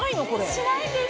しないんです。